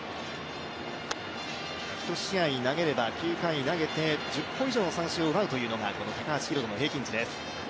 １試合なければ９回投げて１０個以上三振を奪うのがこの高橋宏斗の平均値です。